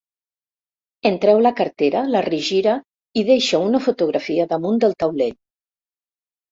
En treu la cartera, la regira i deixa una fotografia damunt del taulell.